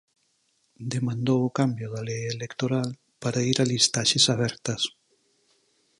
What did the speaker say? Demandou o cambio da lei electoral, para ir a listaxes abertas.